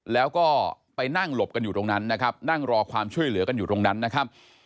แล้วก็ไปนั่งหลบกันอยู่ตรงนั้นนะครับนั่งรอความช่วยเหลือกันอยู่ตรงนั้นนะครับ